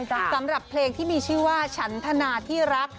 สำหรับเพลงที่มีชื่อว่าฉันธนาที่รัก